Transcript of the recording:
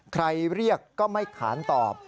ใครเรียกก็ไม่ขาดตอบ